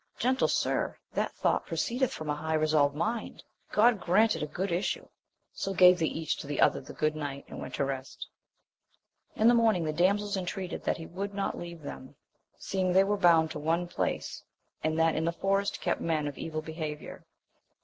Gentle sir, that thought proceedeth from a high resolved mind : God grant it a good issue ! So gave they each to other the good night, and went to rest. In the morning the damsels intreated that he would not leave them, seeing they were bound to one place, and that in the forest kept men of evil behaviour.